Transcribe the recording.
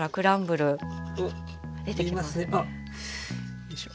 よいしょ。